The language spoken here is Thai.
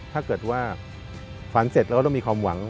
ถ้าเกิดว่าฝันเสร็จเราก็ต้องมีความหวัง